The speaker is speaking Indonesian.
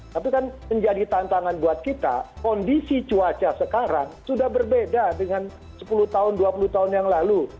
tapi kan menjadi tantangan buat kita kondisi cuaca sekarang sudah berbeda dengan sepuluh tahun dua puluh tahun yang lalu